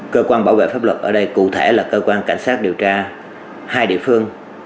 cơ quan bảo vệ pháp luật ở đây cụ thể là cơ quan cảnh sát điều tra hai địa phương